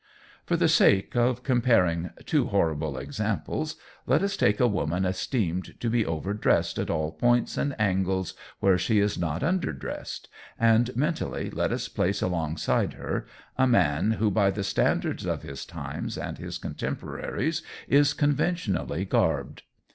For the sake of comparing two horrible examples, let us take a woman esteemed to be over dressed at all points and angles where she is not under dressed, and, mentally, let us place alongside her a man who by the standards of his times and his contemporaries is conventionally garbed.